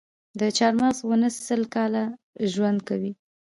د چهارمغز ونه سل کاله ژوند کوي؟